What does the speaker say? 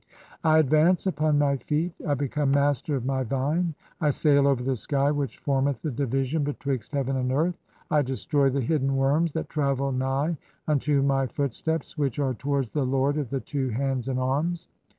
I advance upon my "feet, I become master of (i3) my vine, I sail over the sky which "formeth the division [betwixt heaven and earth], [I] destroy "the hidden (14) worms that travel nigh unto my footsteps which "are towards the lord of the two hands and arms.